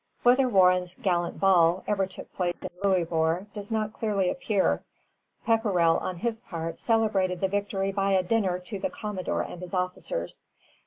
Whether Warren's "gallant ball" ever took place in Louisbourg does not clearly appear. Pepperrell, on his part, celebrated the victory by a dinner to the commodore and his officers.